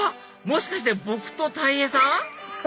もしかして僕とたい平さん？